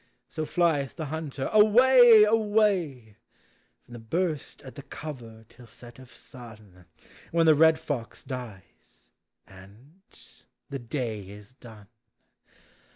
So flieth the hunter, away, away ! From the burst at the cover till set of sun. When the red fox dies, and — the day is done.